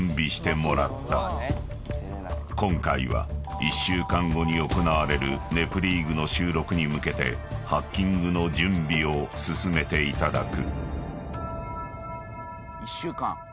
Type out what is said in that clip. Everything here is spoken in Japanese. ［今回は１週間後に行われる『ネプリーグ』の収録に向けてハッキングの準備を進めていただく］